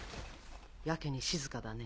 やけに静かだね。